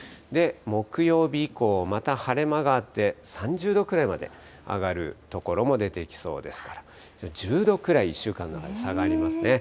木曜日以降、また晴れ間があって、３０度くらいまで上がる所も出てきそうですから、１０度くらい１週間の中で差がありますね。